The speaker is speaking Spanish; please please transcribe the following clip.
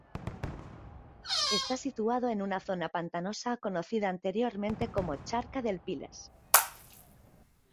Está situado en una zona pantanosa conocida anteriormente como Charca del Piles.